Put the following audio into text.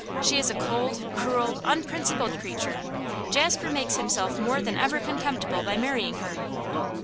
She is a cold, cruel, unprincipled creature! Jasper makes himself more than ever contemptible by marrying her.